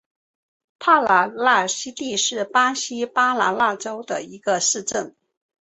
帕拉纳西蒂是巴西巴拉那州的一个市镇。